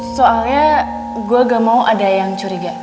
soalnya gue gak mau ada yang curiga